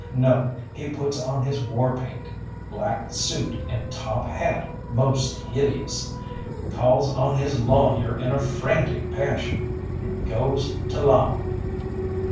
No, he puts on his war paint black suit and top hat most hideous calls on his lawyer in a frantic passion, and goes to law!